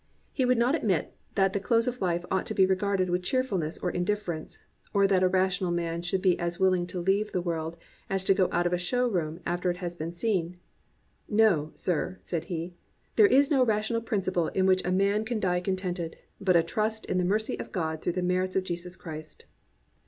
He would not admit that the close of life ought to be regarded with cheerful ness or indifference, or that a rational man should be as willing to leave the world as to go out of a show room after he has seen it. "No, sir," said he, "there is no rational principle by which a man can die contented, but a trust in the mercy of God through the merits of Jesus Christ."